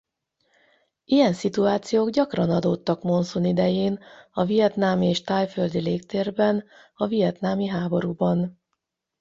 Ilyen szituációk gyakran adódtak monszun idején a vietnámi és thaiföldi légtérben a vietnámi háborúban.